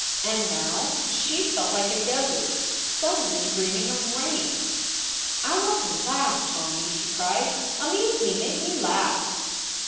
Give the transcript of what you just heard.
And now she felt like a desert suddenly dreaming of rain. "I want to laugh, Tommy," she cried. "Amuse me, make me laugh!"